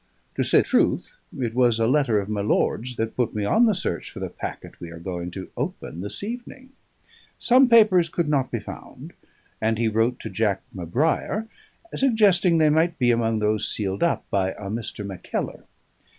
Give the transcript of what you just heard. To say truth, it was a letter of my lord's that put me on the search for the packet we are going to open this evening. Some papers could not be found; and he wrote to Jack M'Brair suggesting they might be among those sealed up by a Mr. Mackellar.